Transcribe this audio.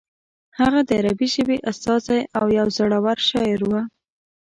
هغه د عربي ژبې استازی او یو زوړور شاعر و.